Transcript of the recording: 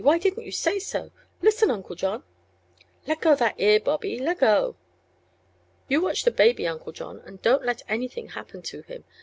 why didn't you say so? Listen, Uncle John " "Leggo that ear, Bobby leggo!" " You watch the baby, Uncle John, and don't let anything happen to him.